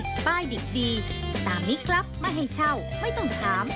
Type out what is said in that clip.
ป้ายดิบดีตามนี้ครับไม่ให้เช่าไม่ต้องถาม